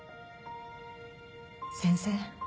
先生